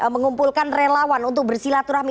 mengumpulkan relawan untuk bersilaturahmi